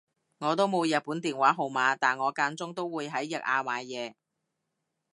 我都冇日本電話號碼但我間中都會喺日亞買嘢